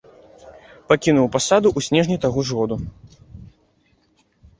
Пакінуў пасаду ў снежні таго ж года.